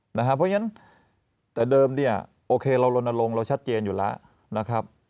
เพราะฉะนั้นแต่เดิมโอเคเราลนโลงเราชัดเจนอยู่แล้ว